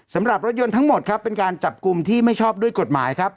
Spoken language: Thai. สำหรับรถยนต์ทั้งหมดครับเป็นการจับกลุ่มที่ไม่ชอบด้วยกฎหมายครับ